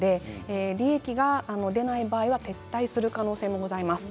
利益が出ない場合は撤退する可能性もございます。